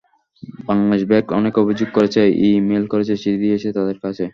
Bangladesh bank অনেক অভিযোগ করেছে, ই-মেইল করেছে, চিঠি দিয়েছে তাদের কাছে।